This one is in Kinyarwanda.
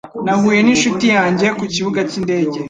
Nahuye n'inshuti yanjye ku kibuga cy'indege.